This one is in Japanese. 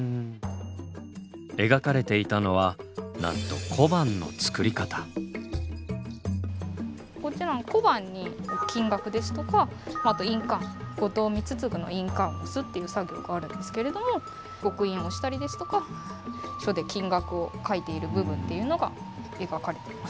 描かれていたのはなんとこっちなんかは小判に金額ですとかあと印鑑後藤光次の印鑑を押すっていう作業があるんですけれども刻印をしたりですとか金額を書いている部分っていうのが描かれています。